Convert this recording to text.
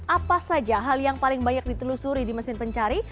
apa saja hal yang paling banyak ditelusuri di mesin pencari